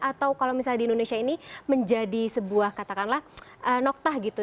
atau kalau misalnya di indonesia ini menjadi sebuah katakanlah noktah gitu